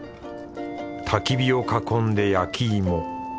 たき火を囲んでやきいも。